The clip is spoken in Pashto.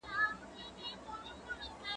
زه اوږده وخت شګه پاکوم؟